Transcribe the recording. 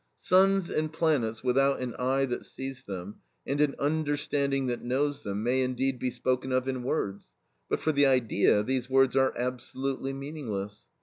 Suns and planets without an eye that sees them, and an understanding that knows them, may indeed be spoken of in words, but for the idea, these words are absolutely meaningless.